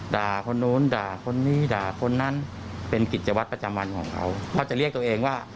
ด่าคนนู้นด่าคนนี้ด่าคนนั้นเป็นกิจวัตรประจำวันของเขาเขาจะเรียกตัวเองว่า